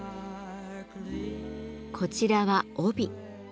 こちらは帯。